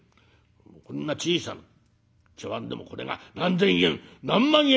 こんな小さな茶わんでもこれが何千円何万円という品物だ」。